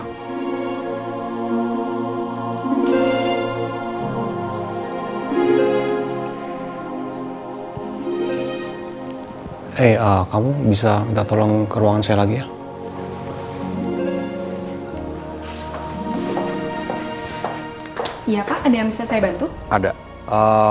tapi kalau ada yang sering sama reyna tidak akan pernah tau